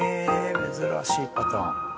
珍しいパターン。